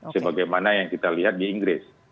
sebagaimana yang kita lihat di inggris